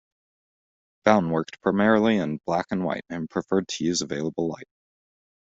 Bown worked primarily in black-and-white and preferred to use available light.